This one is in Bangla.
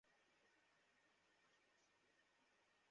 তিনি ঘুমাবার প্রস্তুতি নিচ্ছিলেন।